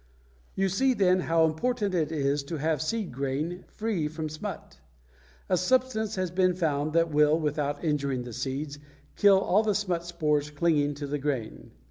You see, then, how important it is to have seed grain free from smut. A substance has been found that will, without injuring the seeds, kill all the smut spores clinging to the grain.